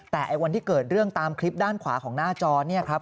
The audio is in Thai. แต่วันที่เกิดเรื่องตามคลิปด้านขวาของหน้าจอเนี่ยครับ